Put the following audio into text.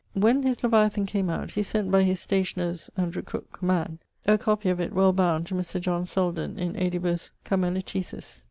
When his Leviathan came out, he sent by his stationer's (Andrew Crooke) man a copie of it, well bound, to Mr. John Selden in Aedibus Carmeliticis.